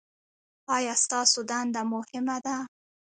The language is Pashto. ایا ستاسو دنده مهمه ده؟